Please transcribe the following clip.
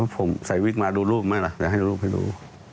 ผมใส่วิกมาดูรูปไหมล่ะอยากให้ลูกไปดู